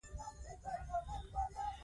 لوستې میندې د ماشوم پر اړتیاوو خبر وي.